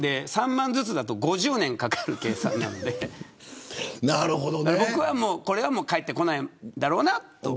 ３万ずつだと５０年かかる計算なんで僕は、これは返ってこないだろうなと。